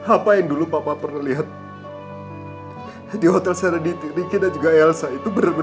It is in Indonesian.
apa yang dulu papa pernah lihat di hotel seredit ricky dan juga elsa itu benar benar